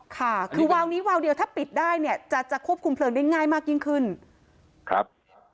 ค่ะคือวาวนี้วาวเดียวถ้าปิดได้เนี่ยจะจะควบคุมเพลิงได้ง่ายมากยิ่งขึ้นครับ